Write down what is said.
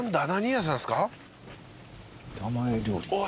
板前料理。